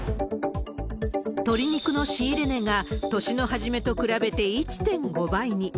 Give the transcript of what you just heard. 鶏肉の仕入れ値が、年の初めと比べて１．５倍に。